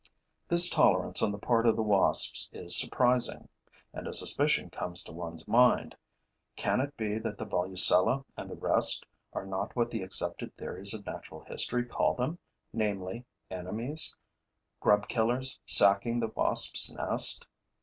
This tolerance on the part of the wasps is surprising. And a suspicion comes to one's mind: can it be that the Volucella and the rest are not what the accepted theories of natural history call them, namely, enemies, grub killers sacking the wasps' nest?